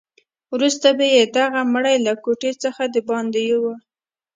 وروسته به یې دغه مړی له کوټې څخه دباندې یووړ.